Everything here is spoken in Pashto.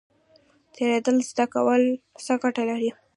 تیریدل زده کول څه ګټه لري؟